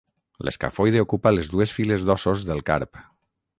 L'escafoide ocupa les dues files d'ossos del carp.